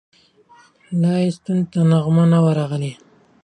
لا یې ستوني ته نغمه نه وه راغلې